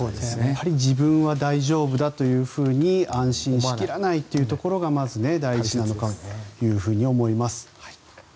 やはり自分は大丈夫だと安心しきらないということがまず大事だと思います。